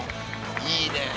いいねえ。